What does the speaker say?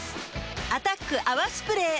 「アタック泡スプレー」